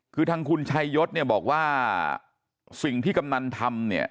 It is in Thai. คือทางคุณชัยยศเนี่ยบอกว่าสิ่งที่กำนันทำเนี่ย